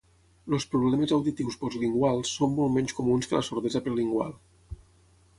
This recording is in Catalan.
Els problemes auditius postlinguals són molt menys comuns que la sordesa prelingual.